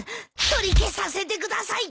取り消させてください！